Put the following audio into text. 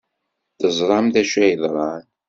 Teẓram d acu ay yeḍran.